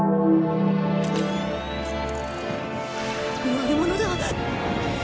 悪者だ。